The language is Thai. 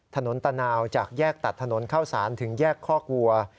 ถนนตะนาวจากแยกตัดถนนข้าวศาลถึงแยกข้อกวัว